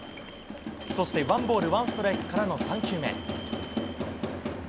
そして、ワンボール、ワンストライクからの３球目。